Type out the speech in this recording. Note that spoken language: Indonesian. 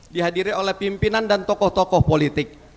dihadiri oleh pimpinan dan tokoh tokoh politik